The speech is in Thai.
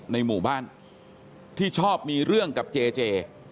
ในหมู่บ้านที่ชอบมีเรื่องกับเจเจ